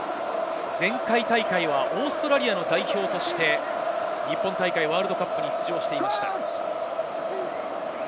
前回大会はオーストラリアの代表として日本大会ワールドカップに出場していました。